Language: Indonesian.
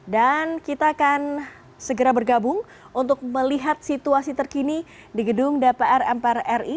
dan kita akan segera bergabung untuk melihat situasi terkini di gedung dpr mprri